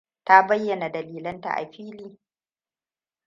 Ta bayyana dalilanta a fili.